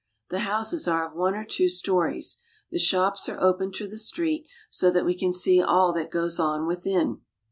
The houses are of one or two stories. The shops are open to the street, so that we can see all that goes on within.